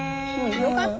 よかった。